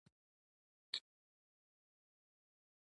د افغانستان د اقتصادي پرمختګ لپاره پکار ده چې باد انرژي وي.